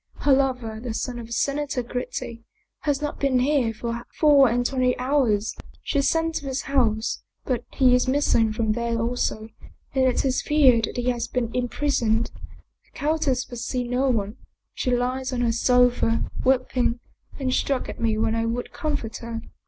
Her lover, the son of Senator Gritti, has not been here for four and twenty hours. She sent to his house, but he is miss ing from there also and it is feared that he has been im prisoned. The countess will see no one. She lies on her sofa, weeping, and struck at me when I would comfort her."